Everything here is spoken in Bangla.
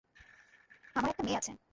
আমার একটা মেয়ে আছে।